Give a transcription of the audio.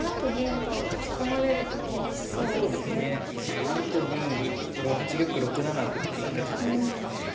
７六銀５八玉６七歩っていった感じですかね。